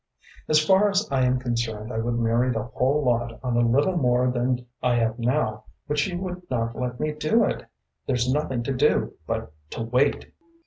"As far as I am concerned I would marry the whole lot on a little more than I have now, but she would not let me do it. There's nothing to do but to wait."